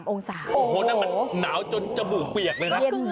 โอ้โหนั่นมันหนาวจนจะบื่อกเบียกเลยนะ